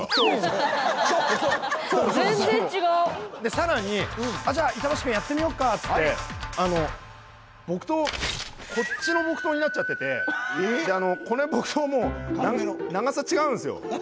更に「じゃあ板橋くんやってみよっか」っつって木刀こっちの木刀になっちゃっててこの木刀も長さ違うんすよ。